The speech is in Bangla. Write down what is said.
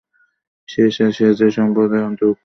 সে যে সম্প্রদায়ের অন্তর্ভুক্ত ছিল তাদেরকে জিন বলা হয়।